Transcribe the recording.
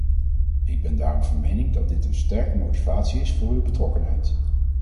Ik ben daarom van mening dat dit een sterke motivatie is voor uw betrokkenheid.